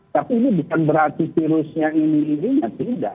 tapi ini bukan berarti virusnya ini ininya tidak